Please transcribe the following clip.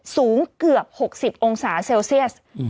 สูงเกือบ๖๐องศาเซลเซียส